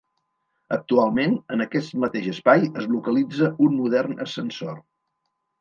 Actualment, en aquest mateix espai, es localitza un modern ascensor.